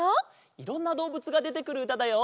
いろんなどうぶつがでてくるうただよ。